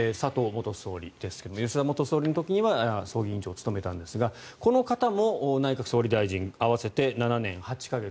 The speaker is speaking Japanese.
元総理ですが吉田元総理の時は葬儀委員長を務めたんですがこの方も内閣総理大臣合わせて７年８か月。